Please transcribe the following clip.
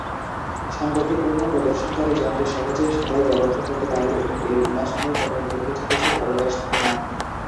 সঙ্গতিপূর্ণ প্রদর্শনকারী যন্ত্র সহজে সবাই ব্যবহার করতে পারে এবং এর বিন্যাস নিয়ে কোনও ভুল বোঝাবুঝির অবকাশ থাকে না।